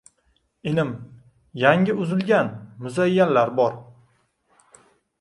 Inim yangi uzilgan muzayyanlar bor.